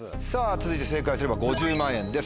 続いて正解すれば５０万円です